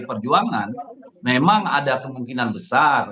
pdi perjuangan memang ada kemungkinan besar